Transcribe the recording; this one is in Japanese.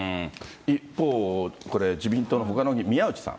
一方、これ自民党のほかの議員、宮内さん。